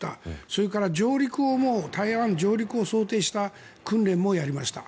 それから台湾上陸を想定した訓練もやりました。